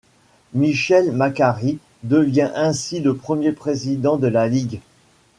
Michel Macary devient ainsi le premier président de la ligue.